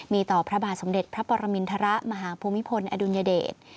มีต่อพระบาทสมเด็จพระปรมินทรมาหาภูมิพลอดุลยเดช